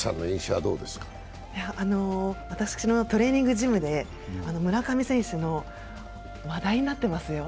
私のトレーニングジムで村上選手、話題になっていますよ。